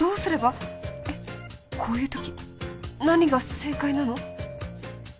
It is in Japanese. えっこういうとき何が正解なの？